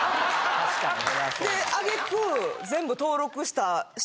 確かにね。